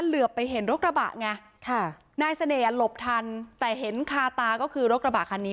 เหลือไปเห็นรถกระบะไงค่ะนายเสน่ห์หลบทันแต่เห็นคาตาก็คือรถกระบะคันนี้